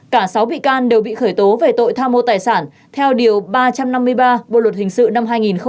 cả sáu bị can đều bị khởi tố về tội tham mô tài sản theo điều ba trăm năm mươi ba bộ luật hình sự năm hai nghìn một mươi năm